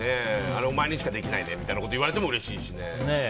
あれ、お前にしかできないねみたいなこと言われてもうれしいしね。